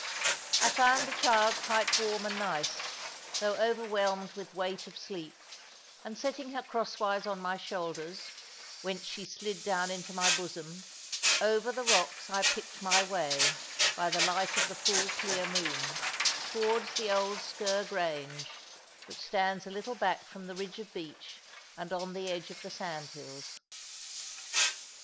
I found the child quite warm and nice, though overwhelmed with weight of sleep; and setting her crosswise on my shoulders, whence she slid down into my bosom, over the rocks I picked my way, by the light of the full clear moon, towards the old Sker Grange, which stands a little back from the ridge of beach, and on the edge of the sandhills.